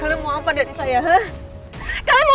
kau aku suka berima kasih su